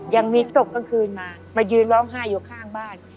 ยังมีตกกลางคืนมามายืนร้องไห้อยู่ข้างบ้าน